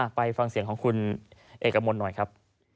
ไปฟังเสียงของคุณเอกมลหน่อยครับ